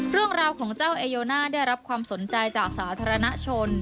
เรื่องราวของเจ้าเอโยน่าได้รับความสนใจจากสาธารณชน